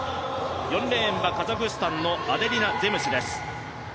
４レーンはカザフスタンのアデリナ・ゼムスです。